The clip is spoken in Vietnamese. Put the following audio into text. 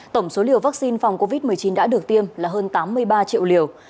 tổng số liều vaccine phòng covid một mươi chín đã được tiêm là hơn tám mươi ba triệu liều